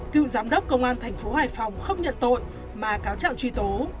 cựu giám đốc công an thành phố hải phòng không nhận tội mà cáo trạng truy tố